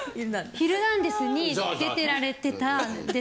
『ヒルナンデス！』に出てられてた。